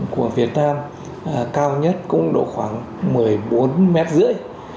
của việt nam cao nhất cũng độ khoảng một mươi bốn mét rưỡi